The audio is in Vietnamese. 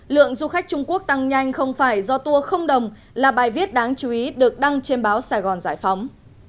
lượng du khách trung quốc tăng nhanh không phải do tour không đồng là bài viết đáng chú ý được đăng trên báo sài gòn giải phóng